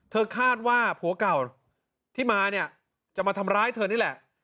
คาดว่าผัวเก่าที่มาเนี่ยจะมาทำร้ายเธอนี่แหละ